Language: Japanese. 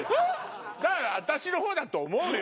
だから私のほうだと思うよ